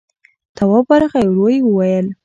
تواب ورغی، ورو يې وويل: